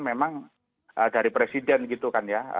memang dari presiden gitu kan ya